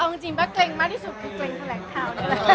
เอาจริงว่าเกรงมากที่สุดคือเกรงแทรกเท้า